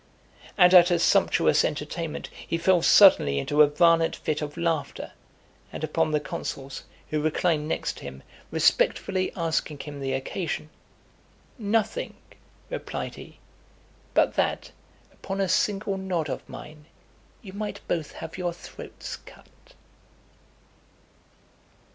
And at a sumptuous entertainment, he fell suddenly into a violent fit of laughter, and upon the consuls, who reclined next to him, respectfully asking him the occasion, "Nothing," replied he, "but that, upon a single nod of mine, you might both have your throats cut."